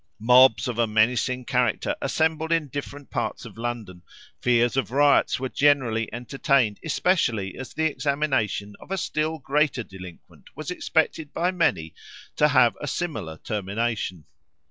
Mobs of a menacing character assembled in different parts of London; fears of riots were generally entertained, especially as the examination of a still greater delinquent was expected by many to have a similar termination.